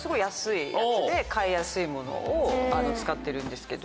で買いやすいものを使ってるんですけど。